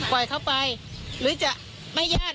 ปล่อยเขาไปหรือจะไม่ญาติ